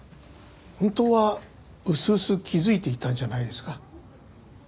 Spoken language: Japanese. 本当はうすうす気づいていたんじゃないですか？